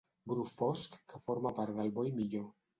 Bru fosc que forma part del bo i millor.